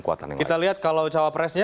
kekuatan yang lain kita lihat kalau cawapresnya